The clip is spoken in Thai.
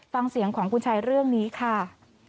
ฟังเสียงของคุณชายเรื่องนี้ค่ะ